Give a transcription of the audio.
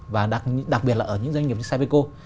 và đặc biệt là ở những doanh nghiệp như sapeco